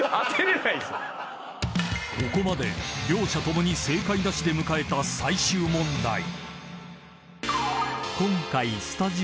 ［ここまで両者共に正解なしで迎えた最終問題］